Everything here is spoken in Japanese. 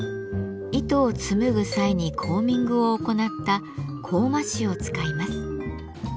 糸を紡ぐ際にコーミングを行った「コーマ糸」を使います。